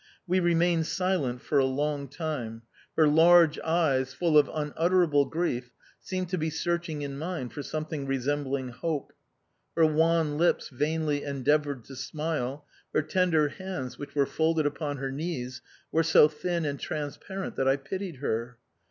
We remained silent for a long time; her large eyes, full of unutterable grief, seemed to be searching in mine for something resembling hope; her wan lips vainly endeavoured to smile; her tender hands, which were folded upon her knees, were so thin and transparent that I pitied her.